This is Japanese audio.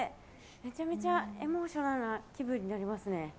めちゃめちゃエモーショナルな気分になりますね。